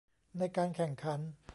ในการแข่งขัน